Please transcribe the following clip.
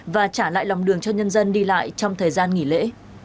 và trả lại lòng đường cho nhân dân đi lại trong thời gian nghỉ lễ